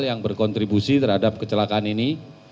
yang berkontribusi terhadap kecelakaan ini